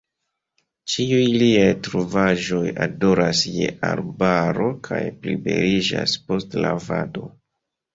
Ĉiuj liaj trovaĵoj odoras je arbaro kaj plibeliĝas post lavado.